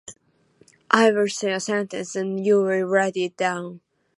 I will say a sentence, and you will write it down.